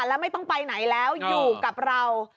แล้วไม่ต้องไปไหนแล้วอยู่กับเรา